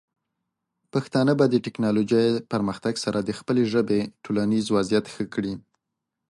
پښتانه به د ټیکنالوجۍ پرمختګ سره د خپلې ژبې ټولنیز وضعیت ښه کړي.